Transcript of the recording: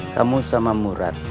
kamu sama murad